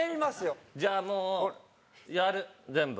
じゃあもうやる全部。